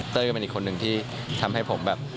ก็เป็นอีกคนหนึ่งที่ทำให้ผมแบบ